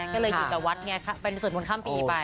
ก็เลยไม่ค่อยรับงานก็เลยอยู่กับวัดเป็นส่วนผลข้ามปีไป